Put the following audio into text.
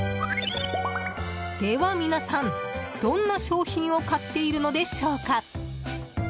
では皆さん、どんな商品を買っているのでしょうか？